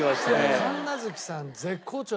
神無月さん絶好調だね。